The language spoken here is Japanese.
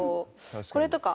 これとか。